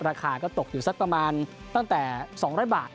ราคาก็ตกอยู่สักประมาณตั้งแต่๒๐๐บาท